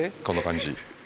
この感じ。